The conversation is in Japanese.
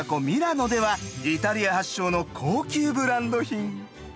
ミラノではイタリア発祥の高級ブランド品。